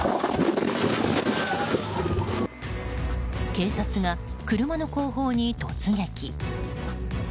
警察が車の後方に突撃。